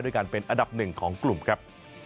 การเป็นอันดับหนึ่งของกลุ่มครับ